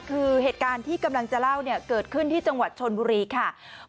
คือเหตุการณ์ที่กำลังจะเล่าเนี่ยเกิดขึ้นที่จังหวัดชนบุรีค่ะ